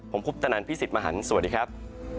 ผมคุปตนันพี่สิทธิ์มหันฯสวัสดีครับ